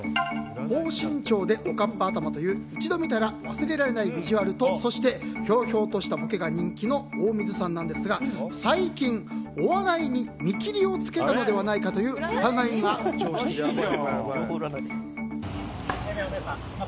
高身長でおかっぱ頭という一度見たら忘れられないビジュアルとそして、ひょうひょうとしたボケが人気の大水さんなんですが最近、お笑いに見切りをつけたのではないかと疑いが浮上しています。